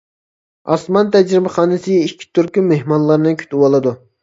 ئاسمان تەجرىبىخانىسى ئىككى تۈركۈم مېھمانلارنى كۈتۈۋالىدۇ.